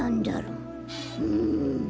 うん。